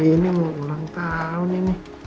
ini mau ulang tahun ini